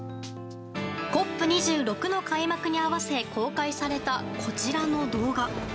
ＣＯＰ２６の開幕に合わせ公開された、こちらの動画。